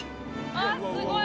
あっすごい。